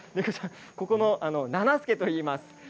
ここのななすけといいます。